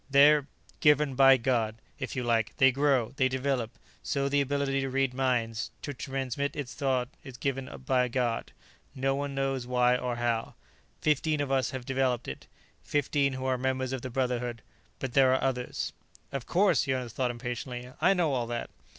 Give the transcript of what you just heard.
They're ... given by God, if you like; they grow, they develop. So the ability to read minds, to transmit thought is given by God. No one knows why or how. Fifteen of us have developed it; fifteen who are members of the Brotherhood. But there are others " "Of course," Jonas thought impatiently. "I know all that."